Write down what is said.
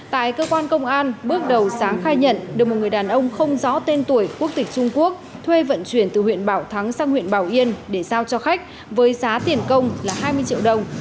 tại cơ quan công an bước đầu sáng khai nhận được một người đàn ông không rõ tên tuổi quốc tịch trung quốc thuê vận chuyển từ huyện bảo thắng sang huyện bảo yên để giao cho khách với giá tiền công là hai mươi triệu đồng